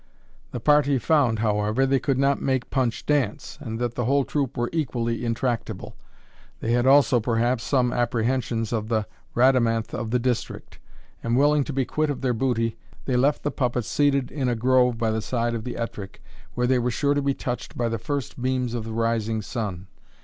The party found, however, they could not make Punch dance, and that the whole troop were equally intractable; they had also, perhaps, some apprehensions of the Rhadamanth of the district; and, willing to be quit of their booty, they left the puppets seated in a grove by the side of the Ettrick, where they were sure to be touched by the first beams of the rising sun.